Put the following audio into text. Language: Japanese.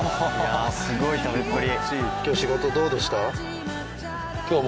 すごい食べっぷり！